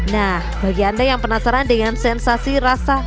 nah bagi anda yang penasaran dengan sensasi rasa